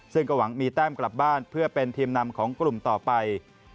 ซึ่งก็หวังมีแต้มกลับบ้านเพื่อเป็นทีมนำของกลุ่มต่อไป